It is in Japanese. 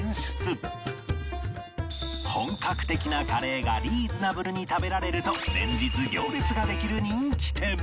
本格的なカレーがリーズナブルに食べられると連日行列ができる人気店